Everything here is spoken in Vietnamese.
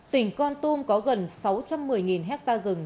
tỉnh con tum có gần sáu trăm một mươi hectare rừng